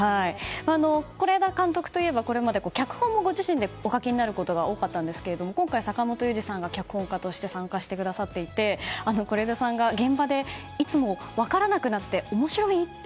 是枝監督といえばこれまで脚本もご自身でお書きになることが多かったんですけど今回、坂元裕二さんが脚本家として参加してくださっていて是枝さんが現場でいつも分からなくなって面白い？って